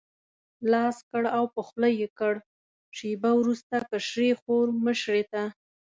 لاس کړ او په خوله یې کړ، شېبه وروسته کشرې خور مشرې ته.